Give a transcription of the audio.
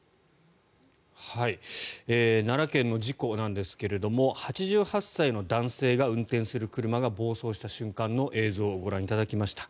奈良県の事故なんですが８８歳の男性が運転する車が暴走した瞬間の映像をご覧いただきました。